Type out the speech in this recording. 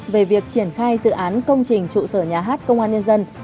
về việc triển khai dự án công trình trụ sở nhà hát công an nhân dân